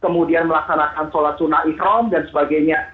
kemudian melaksanakan sholat sunnah ikhram dan sebagainya